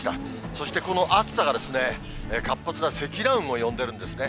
そしてこの暑さが活発な積乱雲も呼んでるんですね。